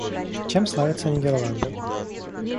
Чем славятся Нидерланды?